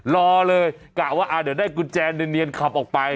รอเลยกะว่าเดี๋ยวได้กุญแจเนียนขับออกไป